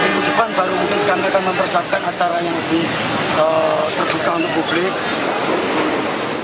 minggu depan baru mungkin kami akan mempersiapkan acara yang lebih terbuka untuk publik